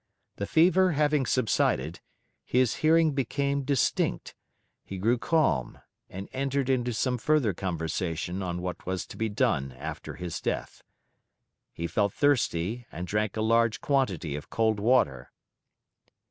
The fever having subsided, his hearing became distinct; he grew calm, and entered into some further conversation on what was to be done after his death. He felt thirsty, and drank a large quantity of cold water.